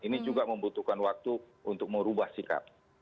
ini juga membutuhkan waktu untuk merubah sikap